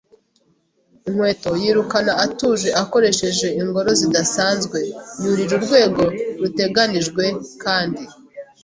inkweto, yiruka atuje akoresheje ingoro zidasanzwe, yurira urwego ruteganijwe, kandi